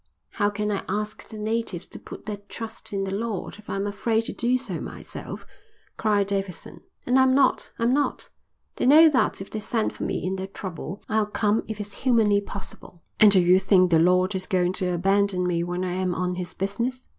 "How can I ask the natives to put their trust in the Lord if I am afraid to do so myself?" cried Davidson. "And I'm not, I'm not. They know that if they send for me in their trouble I'll come if it's humanly possible. And do you think the Lord is going to abandon me when I am on his business?